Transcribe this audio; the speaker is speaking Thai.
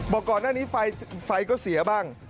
บอกก่อนหน้านี้ไฟก็เสียบ้าง